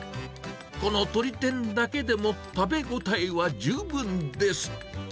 この鶏天だけでも食べ応えは十分です。